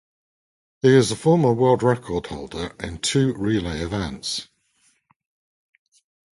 He is a former world record-holder in two relay events.